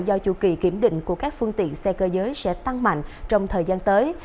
do chủ kỳ kiểm định của các phương tiện xe cơ giới sẽ tăng mạnh trong thời gian tới